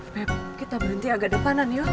beb kita berhenti agak depanan yoh